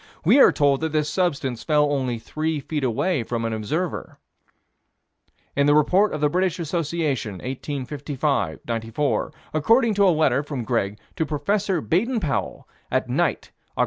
We are told that this substance fell only three feet away from an observer. In the Report of the British Association, 1855 94, according to a letter from Greg to Prof. Baden Powell, at night, Oct.